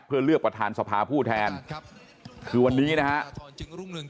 เพื่อเลือกประธานสภาผู้แทนคือวันนี้นะครับ